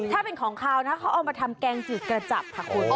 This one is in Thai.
ถ้าเป็นของขาวนะเขาเอามาทำแกงจืดกระจับค่ะคุณ